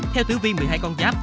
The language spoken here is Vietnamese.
theo tiểu viên một mươi hai con giáp